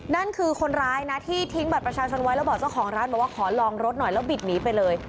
นั่นคือคนร้ายนะที่ทิ้งบัตรประชาชนไว้แล้วบอกเจ้าของร้านบอกว่าขอลองรถหน่อยแล้วบิดหนีไปเลย